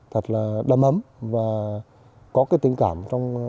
thật là đầm ấm và có tình cảm